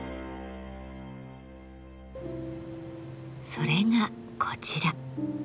それがこちら。